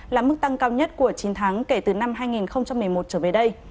là mức tăng cao nhất của chín tháng kể từ năm hai nghìn một mươi một trở về đây